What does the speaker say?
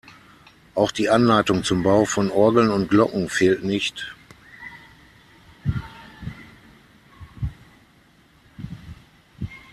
Auch die Anleitung zum Bau von Orgeln und Glocken fehlt nicht.